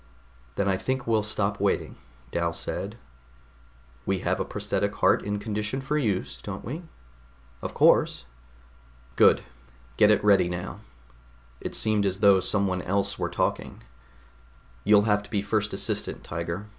"Then I think we'll stop waiting," Dal said. "We have a prosthetic heart in condition for use, don't we?" "Of course." "Good. Get it ready now." It seemed as though someone else were talking. "You'll have to be first assistant, Tiger.